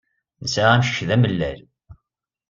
Nesɛa amcic d amellal.